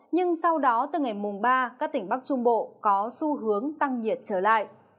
nhưng sau đó từ ngày mùng ba các tỉnh bắc trung bộ có xu hướng tăng nhiệt trở lại